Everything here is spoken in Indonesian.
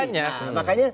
makanya seseorang saja